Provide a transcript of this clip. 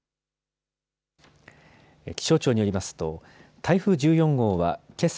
気象庁によりますと台風１４号はけさ